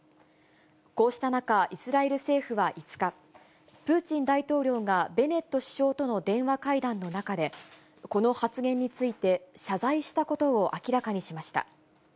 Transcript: こうした中、イスラエル政府は５日、プーチン大統領がベネット首相との電話会談の中で、この発言について、謝罪したことを明らかにしました。